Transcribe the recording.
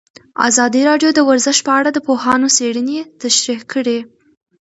ازادي راډیو د ورزش په اړه د پوهانو څېړنې تشریح کړې.